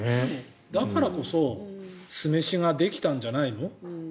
だからこそ酢飯ができたんじゃないの。